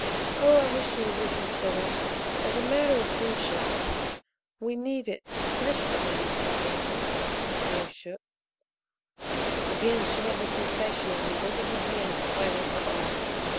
Oh, I wish you would reconsider as a matter of friendship. We need it desperately, Mr. Pantin!" Her voice shook. Again she had the sensation of invisible hands fighting her off.